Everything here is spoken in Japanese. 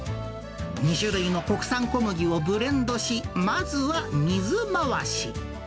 ２種類の国産小麦をブレンドし、まずは水回し。